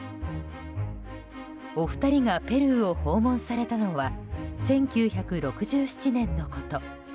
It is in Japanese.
お二人がペルーを訪問されたのは１９６７年のこと。